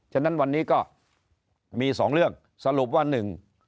ฉะนั้นวันนี้ก็มีสองเรื่องสรุปว่าหนึ่ง